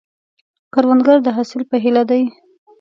کروندګر د حاصل په هیله دی